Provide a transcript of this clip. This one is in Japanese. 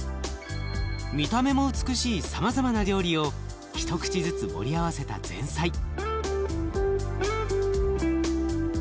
見た目も美しいさまざまな料理を一口ずつ盛り合わせた前菜。